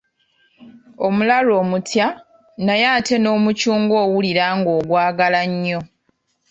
Omulalu omutya naye ate n'omucungwa owulira ng'ogwagala nnyo.